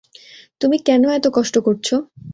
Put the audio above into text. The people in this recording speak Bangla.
তুমি কেন এতো কষ্ট করছো?